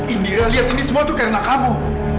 indira lihat ini semua tuh karena kamu